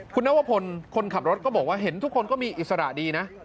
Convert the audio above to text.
คุณนวพลคนขับรถก็บอกว่าเห็นทุกคนก็มีอิสระดีนะ